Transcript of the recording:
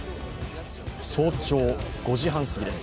早朝５時半すぎです。